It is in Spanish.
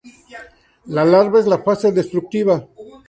La larva es la fase destructiva.